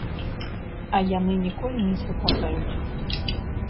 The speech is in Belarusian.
А яны ніколі не супадаюць!